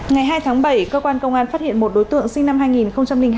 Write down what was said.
ngày hai tháng bảy cơ quan công an phát hiện một đối tượng sinh năm hai nghìn hai